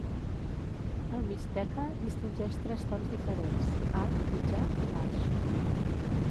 El mixteca distingeix tres tons diferents: alt, mitjà i baix.